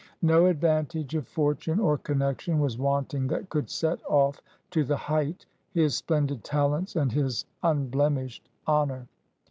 No advantage of fortune or connection was wanting that could set off to the height his splendid talents and his unblemished honor.